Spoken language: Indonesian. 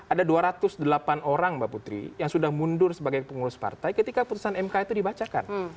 ada dua ratus delapan orang mbak putri yang sudah mundur sebagai pengurus partai ketika putusan mk itu dibacakan